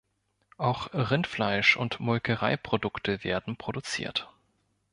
Auch Rindfleisch und Molkereiprodukte werden produziert.